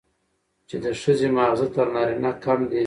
چې د ښځې ماغزه تر نارينه کم دي،